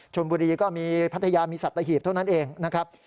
บุรีก็มีพัทยามีสัตหีบเท่านั้นเองนะครับ